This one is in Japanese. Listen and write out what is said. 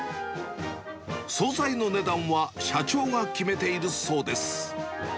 総菜の値段は社長が決めているそうです。